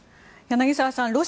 柳澤さん